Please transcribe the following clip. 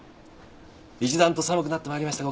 一段と寒くなってまいりました。